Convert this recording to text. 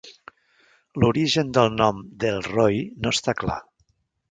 L'origen del nom "Dellroy" no està clar.